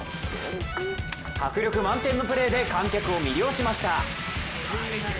迫力満点のプレーで観客を魅了しました。